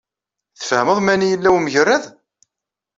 Tfehmeḍ mani yella wemgerrad?